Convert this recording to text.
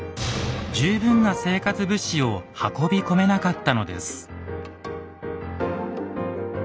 十分な生活物資を運び込めなかったのです。